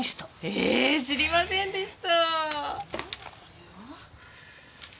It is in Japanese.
えー知りませんでした！